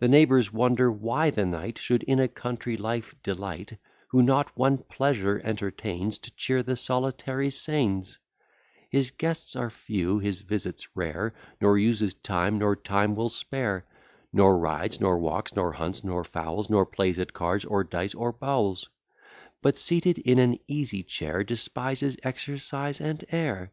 The neighbours wonder why the knight Should in a country life delight, Who not one pleasure entertains To cheer the solitary scenes: His guests are few, his visits rare; Nor uses time, nor time will spare; Nor rides, nor walks, nor hunts, nor fowls, Nor plays at cards, or dice, or bowls; But seated in an easy chair, Despises exercise and air.